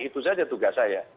itu saja tugas saya